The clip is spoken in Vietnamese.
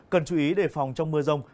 cần chú ý đề phòng trong mưa giông